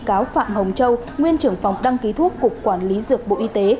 bảo chữa cho bị cáo phạm hồng châu nguyên trưởng phòng đăng ký thuốc cục quản lý dược bộ y tế